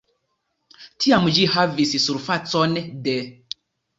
Tiam ĝi havis surfacon de.